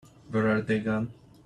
Where are they gone?